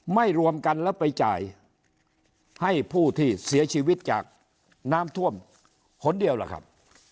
รวมกันแล้วไปจ่ายให้ผู้ที่เสียชีวิตจากน้ำท่วมคนเดียวล่ะครับ